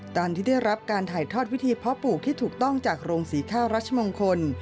ตอนที่ได้รับการถ่ายทอดวิธีเพาะปลูกที่ถูกต้องจากโรงสีข้าวรัชมงคล